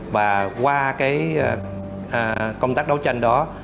và qua cái công tác đấu tranh đó